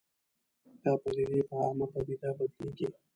دا پدیدې په عامه پدیده بدلېږي